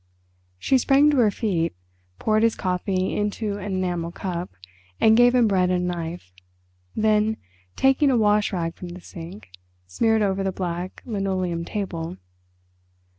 She sprang to her feet, poured his coffee into an enamel cup, and gave him bread and a knife, then, taking a wash rag from the sink, smeared over the black linoleumed table.